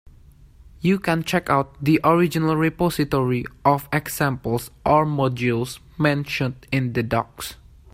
You can check out the original repository of examples or modules mentioned in the docs.